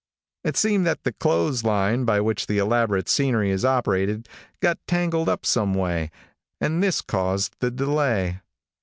It seemed that the clothes line, by which the elaborate scenery is operated, got tangled up some way, and this caused the delay.